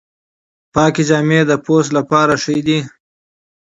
پاکې جامې د جلد لپاره ښې دي۔